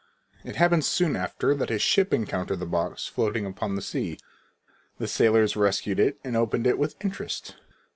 It happened soon after that a ship encountered the box floating upon the sea. The sailors rescued it and opened it with interest.